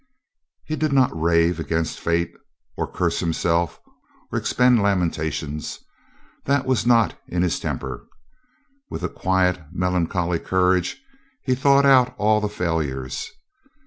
He did not rave against fate or curse himself or expend lamentations. That was not in his tem per. With a quiet, melancholy courage he thought out all the failures.